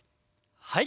はい。